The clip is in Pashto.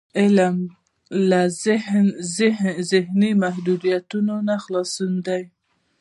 علم له ذهني محدودیتونو خلاصون دی.